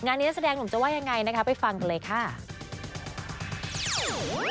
งานนี้แสดงผมจะไว้ยังไงนะฮะไปฟังกันเลยดีจัก